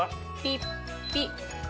ピッピッ。